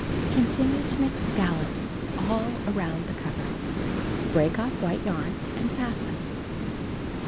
Continue to make scallops all around the cover. Break oft" white yarn and fasten.